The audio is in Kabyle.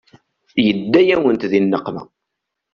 Yedda-yawent di nneqma.